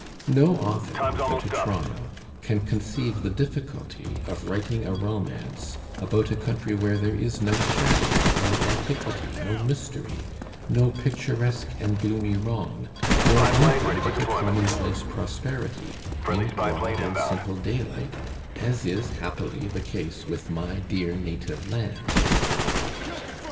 No author, without a trial, can conceive the difficulty of writing a romance about a country where there is no shadow, no antiquity, no mystery, no picturesque and gloomy wrong, nor anything but a com monplace prosperity, in broad and simple daylight, as is happily the case with my dear native land."